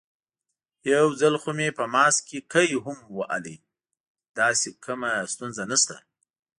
یو ځل خو مې په ماسک کې قی هم وهلی، داسې کومه ستونزه نشته.